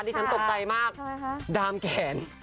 ฉันตกใจมากดามแขน